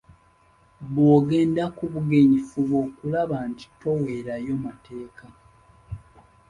Bw'ogenda ku bugenyi fuba okulaba nti toweerayo mateeka.